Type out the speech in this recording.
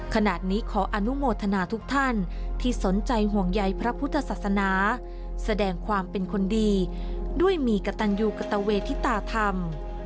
ขณะนี้ขออนุโมทนาทุกท่านที่สนใจห่วงใยพระพุทธศาสนาแสดงความเป็นคนดีด้วยมีกระตันยูกัตเวทิตาธรรม